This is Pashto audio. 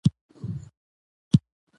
چې د ژوند پېژندلو ته يې نه ده پرېښې